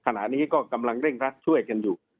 ขณะนี้ก็กำลังเร่งรัดช่วยกันอยู่